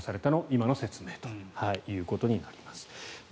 今の説明ということになります。